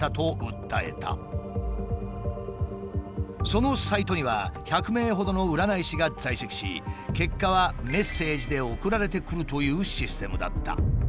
そのサイトには１００名ほどの占い師が在籍し結果はメッセージで送られてくるというシステムだった。